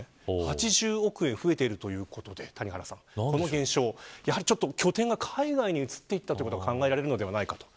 ８０億円増えているということで谷原さん、この現象やはり拠点が海外に移っていったというのが考えられるのではないか。